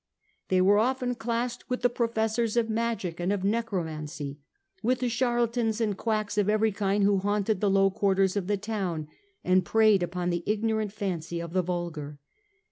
They were often classed with the professors of magic and of necromancy, with the charlatans and quacks of every kind who haunted the low quarters of the town and preyed upon the ignorant fancy of the vulgar.